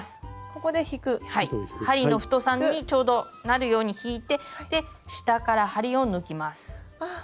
針の太さにちょうどなるように引いて下から針を抜きます。